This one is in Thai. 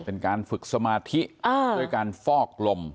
เป็นการฝึกสมาธิด้วยการฟอกลม